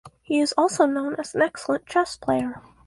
He is also known as an excellent chess player.